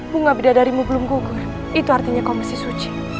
bunga bidadarimu belum kugur itu artinya komisi suci